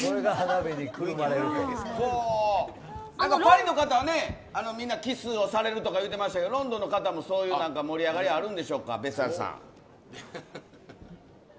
パリの方は、みんなキスをされるとか言うてましたけどロンドンの方もそういう盛り上がりあるんでしょうか？